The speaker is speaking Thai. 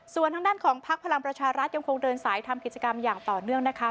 ส่วนทางด้านของพักพลังประชารัฐยังคงเดินสายทำกิจกรรมอย่างต่อเนื่องนะคะ